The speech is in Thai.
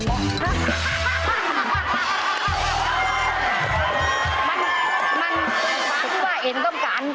มันคือว่าเองต้องการ